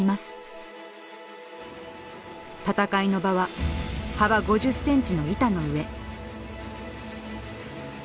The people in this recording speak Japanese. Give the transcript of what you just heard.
戦いの場は幅５０ｃｍの板の上。